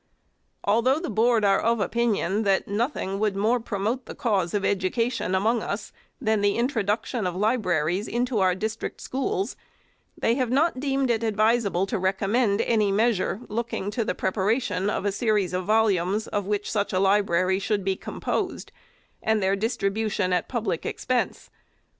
Although the Board are of opinion, that nothing would more promote the cause of education among us, than the introduction of libraries into our district schools, they have not deemed it advisable to recommend any measure looking to the preparation of 'a series of volumes, of which such a library should be composed, and their distribution, at public expense.